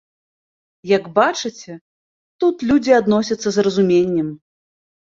Як бачыце, тут людзі адносяцца з разуменнем.